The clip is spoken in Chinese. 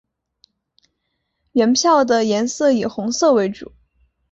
原票的颜色以红色为主。